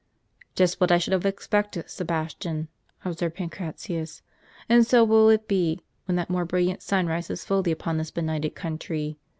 " Just what I should have expected, Sebastian," observed Pancratius; "and so it will be when that more brilliant sun rises fully upon this benighted country.